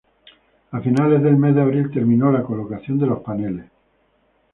A finales del mes de abril terminó la colocación de los paneles.